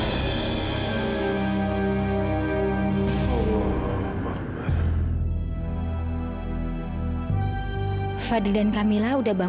maka tentang kebenaran